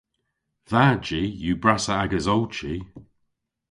Dha ji yw brassa ages ow chi.